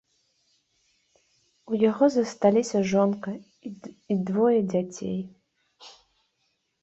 У яго засталіся жонка і двое дзяцей.